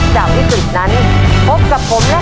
ภายในเวลา๓นาที